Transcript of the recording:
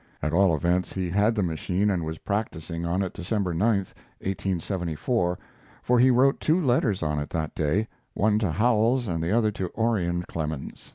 At all events, he had the machine and was practising on it December 9, 1874, for he wrote two letters on it that day, one to Howells and the other to Orion Clemens.